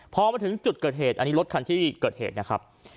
พอมาถึงจุดเกิดเหตุอันนี้รถคันที่เกิดเหตุนะครับ